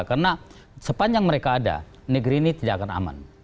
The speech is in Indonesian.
karena sepanjang mereka ada negeri ini tidak akan aman